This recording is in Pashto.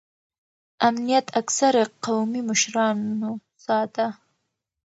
امنیت اکثره قومي مشرانو ساته.